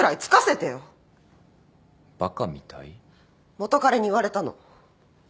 元カレに言われたの。